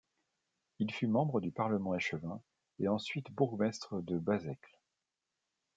Il fut membre du parlement, échevin et ensuite bourgmestre de Basècles.